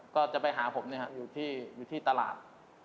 ก็จะไปหาผมอยู่ที่ตลาด